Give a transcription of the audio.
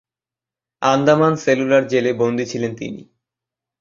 Andaman cellular জেলে বন্দী ছিলেন তিনি।